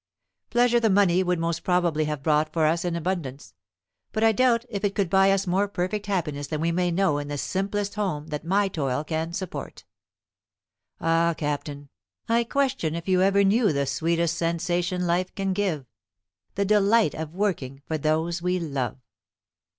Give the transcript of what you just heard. Pleasure the money would most probably have brought for us in abundance; but I doubt if it could buy us more perfect happiness than we may know in the simplest home that my toil can support. Ah, Captain, I question if you ever knew the sweetest sensation life can give the delight of working for those we love."